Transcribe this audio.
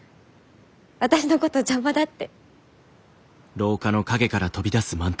私のこと邪魔だって。